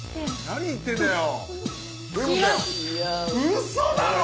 何言ってんだよ！